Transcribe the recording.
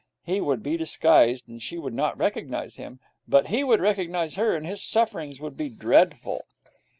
He would be disguised, and she would not recognize him; but he would recognize her, and his sufferings would be dreadful.